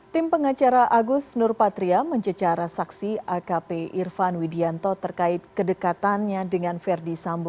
tim pengacara agus nurpatria mencecara saksi akp irfan widianto terkait kedekatannya dengan verdi sambo